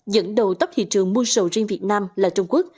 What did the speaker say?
những đầu tóc thị trường mua sầu riêng việt nam là trung quốc